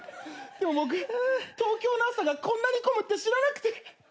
でも僕東京の朝がこんなに混むって知らなくて。